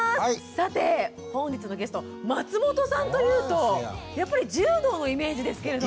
さて本日のゲスト松本さんというとやっぱり柔道のイメージですけれども。